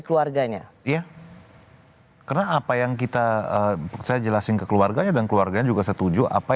keluarganya iya karena apa yang kita saya jelasin ke keluarganya dan keluarganya juga setuju apa